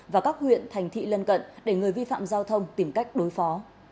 và các huyện thành thị lân cận để người vi phạm giao thông tìm cách đối phó